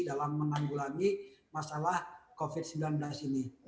dalam menanggulangi masalah covid sembilan belas ini